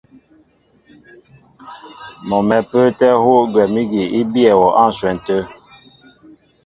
Mɔ mɛ̌n a pə́ə́tɛ́ hú gwɛ̌m ígi í bíyɛ wɔ á ǹshwɛn tə̂.